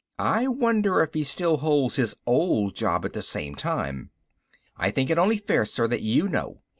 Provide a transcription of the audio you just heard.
I wonder if he still holds his old job at the same time. I think it only fair, sir, that you know.